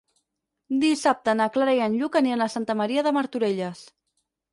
Dissabte na Clara i en Lluc aniran a Santa Maria de Martorelles.